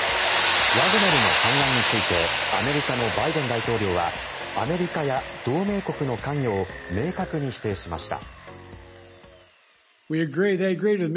ワグネルの反乱についてアメリカのバイデン大統領はアメリカや同盟国の関与を明確に否定しました。